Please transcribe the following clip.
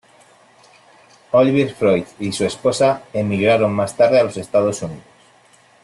Oliver Freud y su esposa emigraron más tarde a los Estados Unidos.